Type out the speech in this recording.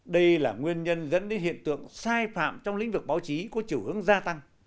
đây là nguyên nhân dẫn đến hiện tượng sai phạm trong lĩnh vực báo chí có chiều hướng gia tăng